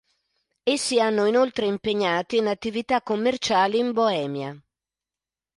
Essi hanno inoltre impegnati in attività commerciali in Boemia.